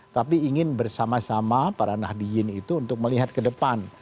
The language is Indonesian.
tapi ingin bersama sama para nahdiyin itu untuk melihat ke depan